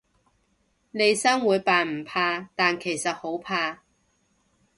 利申會扮唔怕，但其實好怕